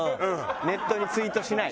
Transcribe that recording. ネットにツイートしない。